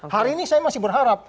hari ini saya masih berharap